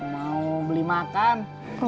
mau beli makan